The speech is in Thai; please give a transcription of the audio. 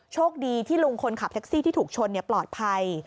โชคดีที่ลุงคนขับแท็กซี่ที่ถูกชนปลอดภัย